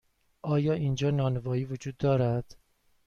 آیا اینجا نانوایی وجود دارد؟